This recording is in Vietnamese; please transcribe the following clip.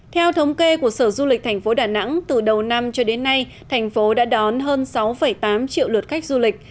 theo thống kê của sở du lịch thành phố đà nẵng từ đầu năm cho đến nay thành phố đã đón hơn sáu tám triệu lượt khách du lịch